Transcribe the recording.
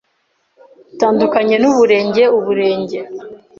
b ute n d u ke n y e n’u b ure n g e Uburenge